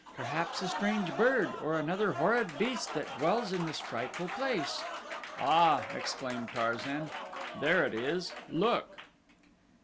"Perhaps a strange bird, or another horrid beast that dwells in this frightful place." "Ah," exclaimed Tarzan; "there it is. Look!"